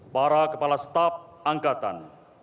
para kepala staf angkatan